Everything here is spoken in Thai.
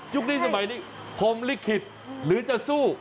นี้สมัยนี้พรมลิขิตหรือจะสู้